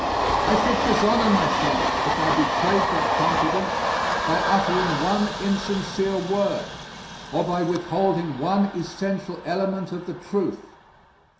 I should dishonor myself if I betrayed that confidence by uttering one insincere word, or by withholding one essential element of the truth.